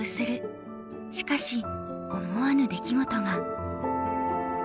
しかし思わぬ出来事が。